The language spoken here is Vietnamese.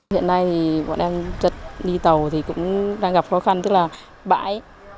hiện nay thì bọn em trật đi tàu thì cũng đang gặp khó khăn tức là bãi